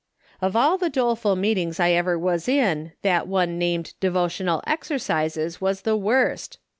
Of all the doleful meetings I ever was in, that one named ' Devotional Exercises' was the worst.